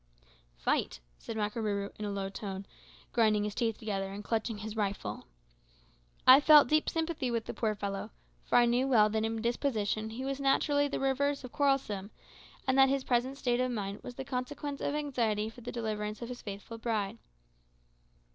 "Fight," said Makarooroo in a low tone, grinding his teeth together and clutching his rifle. I felt deep sympathy with the poor fellow, for I knew well that in disposition he was naturally the reverse of quarrelsome, and that his present state of mind was the consequence of anxiety for the deliverance of his faithful bride.